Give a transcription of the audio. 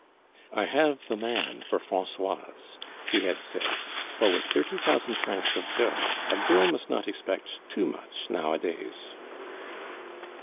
"I have the man for Francoise," he had said; "for with thirty thousand francs of dot, a girl must not expect too much nowadays."